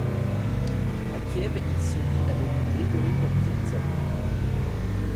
À Kiev, il se lie avec Grigori Kozintsev.